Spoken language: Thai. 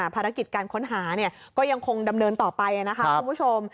ภารกิจการค้นหาก็ยังคงดำเนินต่อไปนะคะคุณผู้ชม